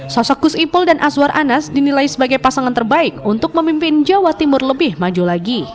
sosok gus ipul dan azwar anas dinilai sebagai pasangan terbaik untuk memimpin jawa timur lebih maju lagi